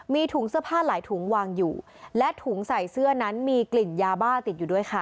มีถุงเสื้อผ้าหลายถุงวางอยู่และถุงใส่เสื้อนั้นมีกลิ่นยาบ้าติดอยู่ด้วยค่ะ